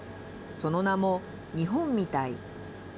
その名も、にほんみたい。